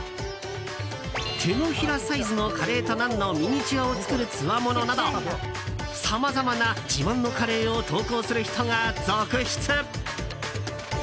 手のひらサイズのカレーとナンのミニチュアを作るつわものなどさまざまな自慢のカレーを投稿する人が続出。